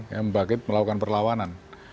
yang bangkit melakukan perlawanan